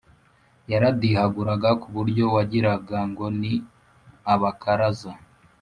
yaradihaguraga kuburyo wagiraga ngo ni abakaraza